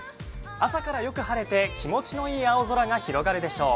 朝からよく晴れて気持ちのいい青空が広がるでしょう。